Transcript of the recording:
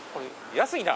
安いな！